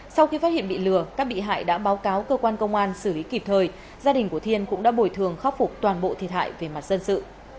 sau khi phát hiện bị lừa các bị hại đã báo cáo cơ quan công an xử lý kịp thời gia đình của thiên cũng đã bồi thường khắc phục toàn bộ thiệt hại về mặt dân sự